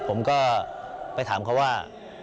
ผมก็ไปถามเขาว่า